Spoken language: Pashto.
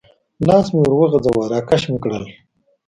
لاس مې ور وغځاوه، را کش مې کړل.